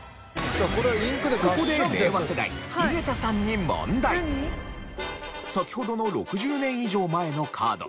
ここで先ほどの６０年以上前のカード。